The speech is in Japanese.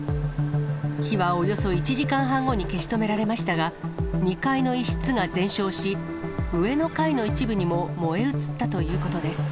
火はおよそ１時間半後に消し止められましたが、２階の一室が全焼し、上の階の一部にも燃え移ったということです。